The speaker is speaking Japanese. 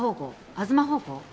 東方向？